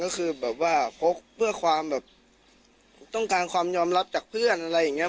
ก็คือแบบว่าพกเพื่อความแบบต้องการความยอมรับจากเพื่อนอะไรอย่างนี้